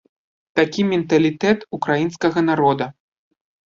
Такі менталітэт ўкраінскага народа.